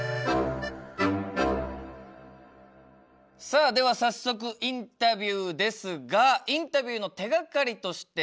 さあでは早速インタビューですがインタビューの手がかりとして皆さんにはですね